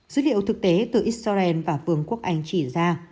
dữ liệu thực tế từ israel và vương quốc anh chỉ ra